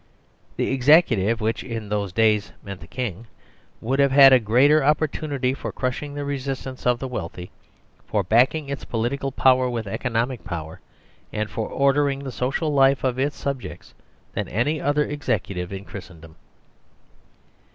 The Executive (which in those days meant the King) would have had a greater opportunity for crush ing the resistance of the wealthy, for backing its political power with economic power, and for order ing the social life of its subjects than any other ex ecutive in Christendom.